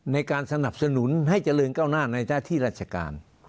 ในการสนับสนุนให้เจริญก้าวหน้าในหน้าที่ราชการ